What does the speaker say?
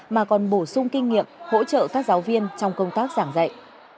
mà còn bổ sung kinh nghiệm hỗ trợ các giáo viên trong công tác giảng dạy